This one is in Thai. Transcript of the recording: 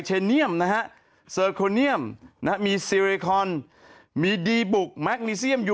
คือมันเป็นกรรมนภาพรังศรี